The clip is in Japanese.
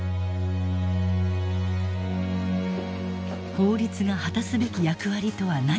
法律が果たすべき役割とは何か。